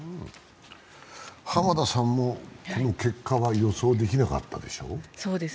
浜田さんもこの結果は予想できなかったでしょ？